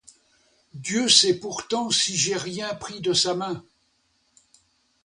Dieu sait pourtant si j'ai rien pris de sa main!